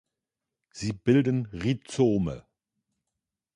Sie bilden Rhizome.